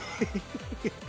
ハハハハ。